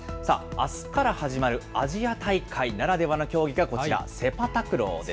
あすから始まるアジア大会ならではの競技がこちら、セパタクローです。